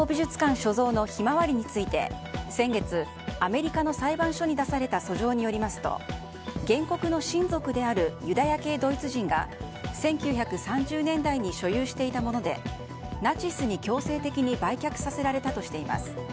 所蔵の「ひまわり」について先月アメリカの裁判所に出された訴状によりますと原告の親族であるユダヤ系ドイツ人が１９３０年代に所有していたものでナチスに強制的に売却させられたとしています。